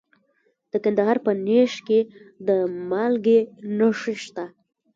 د کندهار په نیش کې د مالګې نښې شته.